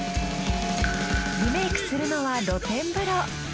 リメイクするのは露天風呂。